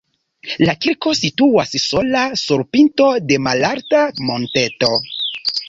La kirko situas sola sur pinto de malalta monteto.